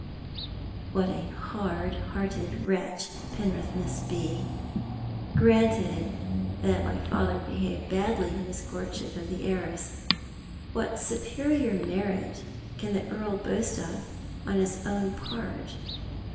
What a hard hearted wretch Penrith must be! Granted that my father behaved badly in his courtship of the heiress. What superior merit can the Earl boast of on his own part?